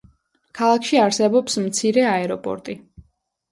ქალაქში არსებობს მცირე აეროპორტი.